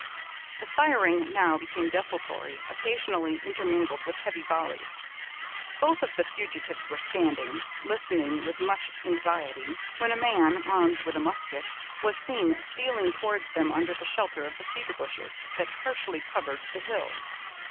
The firing now became desultory, occasionally intermingled with heavy volleys. Both of the fugitives were standing, listening with much anxiety, when a man, armed with a musket, was seen stealing towards them, under the shelter of the cedar bushes, that partially covered the hill.